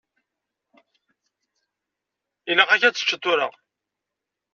Ilaq-ak ad teččeḍ tura.